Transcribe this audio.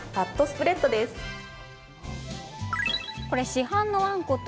市販のあんこと